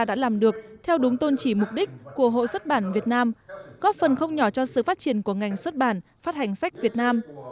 đã làm được theo đúng tôn trì mục đích của hội xuất bản việt nam góp phần không nhỏ cho sự phát triển của ngành xuất bản phát hành sách việt nam